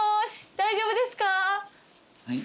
大丈夫ですか？